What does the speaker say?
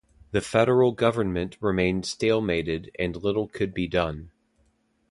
The federal government remained stalemated and little could be done.